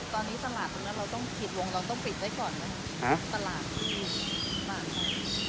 ตอนนี้ตลาดตรงนั้นเราต้องปิดลงเราต้องปิดไว้ก่อนไหมตลาด